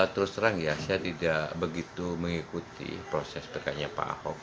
terus terang ya saya tidak begitu mengikuti proses dekatnya pak ahok